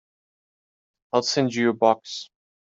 I'll send you a box.